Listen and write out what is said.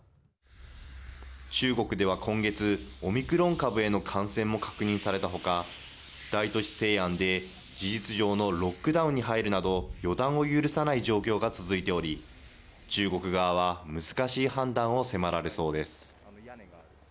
中国では今月、オミクロン株への感染も確認されたほか、大都市・西安で事実上のロックダウンに入るなど予断を許さない状況が続いており、中国側は難しい判断を迫られそうです。